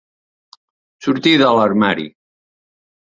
Sortir de l'armari.